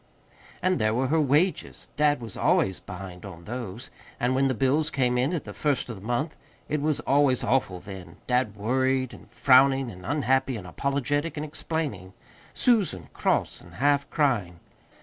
And there were her wages dad was always behind on those. And when the bills came in at the first of the month, it was always awful then: dad worried and frowning and unhappy and apologetic and explaining; Susan cross and half crying.